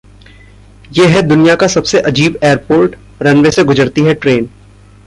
ये है दुनिया का सबसे अजीब एयरपोर्ट, रनवे से गुजरती है ट्रेन